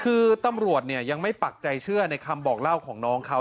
คือตำรวจยังไม่ปักใจเชื่อในคำบอกเล่าของน้องเขา